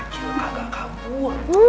cil kagak kabur